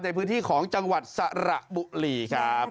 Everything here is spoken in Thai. ในพื้นที่ของจังหวัดสระบุรีครับ